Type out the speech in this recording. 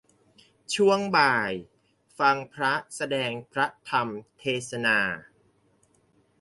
ช่วงบ่าย ฟังพระแสดงพระธรรมเทศนา